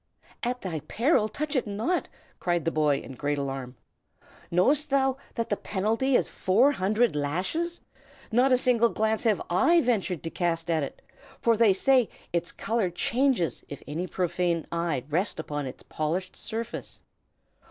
"At thy peril, touch it not!" cried the boy, in great alarm. "Knowest thou not that the penalty is four hundred lashes? Not a single glance have I ventured to cast at it, for they say its color changes if any profane eye rest upon its polished surface."